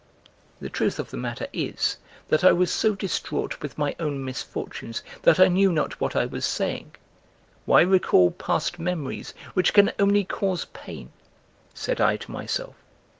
(The truth of the matter is, that I was so distraught with my own misfortunes that I knew not what I was saying. "Why recall past memories which can only cause pain," said I to myself.